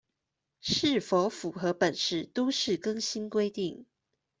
是否符合本市都市更新規定